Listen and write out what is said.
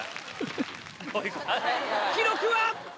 記録は。